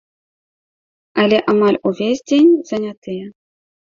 Але амаль увесь дзень занятыя.